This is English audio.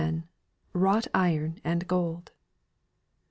WROUGHT IRON AND GOLD.